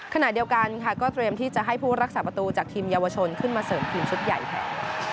ขณะเดียวกันค่ะก็เตรียมที่จะให้ผู้รักษาประตูจากทีมเยาวชนขึ้นมาเสริมทีมชุดใหญ่แทน